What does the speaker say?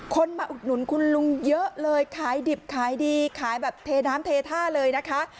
มาอุดหนุนคุณลุงเยอะเลยขายดิบขายดีขายแบบเทน้ำเทท่าเลยนะคะ